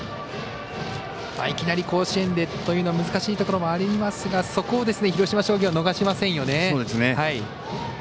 いきなり甲子園でというのは難しいところはありますがそこを広島商業逃しませんよね。